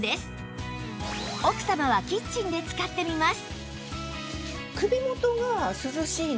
奥様はキッチンで使ってみます